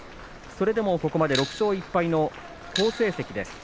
それでも、ここまで６勝１敗の好成績です。